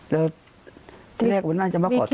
แล้วก็เรียกว่านั้นจะมาขอโทษก่อน